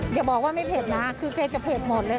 อย่าบอกว่าไม่เผ็ดนะคือแกจะเผ็ดหมดเลย